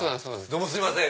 どうもすいません